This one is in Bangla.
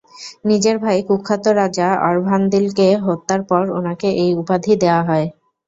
নিজের ভাই- কুখ্যাত রাজা অরভান্দিলকে হত্যার পর উনাকে এই উপাধি দেয়া হয়।